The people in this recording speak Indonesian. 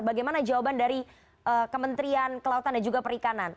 bagaimana jawaban dari kementerian kelautan dan juga perikanan